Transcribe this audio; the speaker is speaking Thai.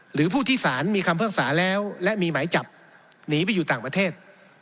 หรือผู้ที่สารมีคำพิพากษาแล้วและมีหมายจับหนีไปอยู่ต่างประเทศ